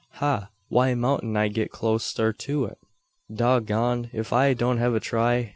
Ha! Why moutn't I git cloaster to it? Dog goned, ef I don't hev a try!